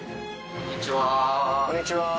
こんにちは。